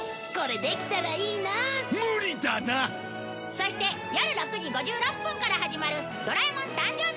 そしてよる６時５６分から始まる『ドラえもん』誕生日